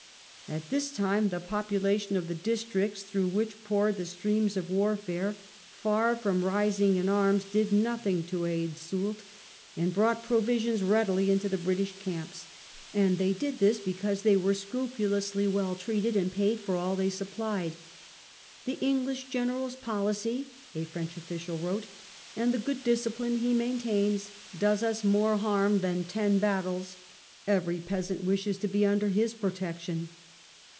At this time the population of the districts through which poured the stream of warfare, far from rising in arms, did nothing to aid Soult, and brought provisions readily into the British camps, and they did this because they were scrupulously well treated and paid for all they supplied. "The English General's policy," a French official wrote, "and the good discipline he maintains does us more harm than ten battles; every peasant wishes to be under his protection."